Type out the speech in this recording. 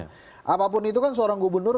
nah apapun itu kan seorang gubernur